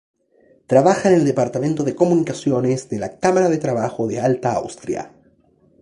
Trabaja en el departamento de comunicaciones de la Cámara de Trabajo de Alta Austria.